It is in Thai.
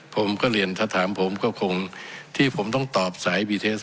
ผมก็เรียนถ้าถามผมก็คงที่ผมต้องตอบสายบีเทส